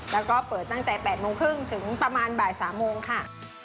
แล้วก็เปิดตั้งแต่๘โมงครึ่งถึงประมาณบ่าย๓โมงค่ะ